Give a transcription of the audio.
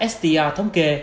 sdr thống kê